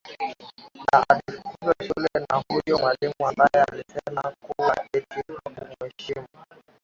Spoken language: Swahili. Na alifukuzwa shule na huyo mwalimu ambaye alisema kuwa eti hakumheshimu